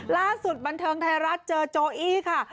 ล่าสุดบันเทิงไทยรัฐเจอโจอี้ค่ะ